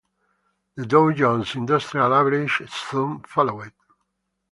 The Dow Jones Industrial Average soon followed.